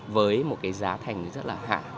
với một cái giá thành rất là hạn